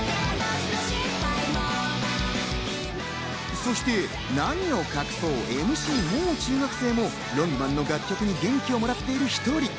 そして何を隠そう、ＭＣのもう中学生もＬＯＮＧＭＡＮの楽曲に元気をもらっている１人。